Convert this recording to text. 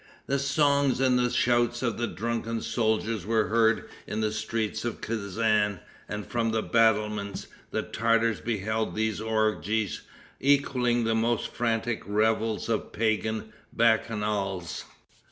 The songs and the shouts of the drunken soldiers were heard in the streets of Kezan, and, from the battlements, the Tartars beheld these orgies, equaling the most frantic revels of pagan bacchanals.